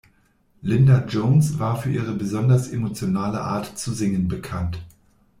Linda Jones war für ihre besonders emotionale Art zu singen bekannt.